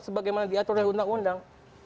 yang diatur dari undang undang